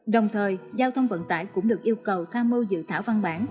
đồng thời giao thông vận tải cũng được yêu cầu tham mưu dự thảo văn bản